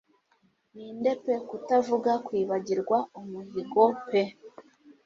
Ninde pe kutavuga kwibagirwa umuhigo pe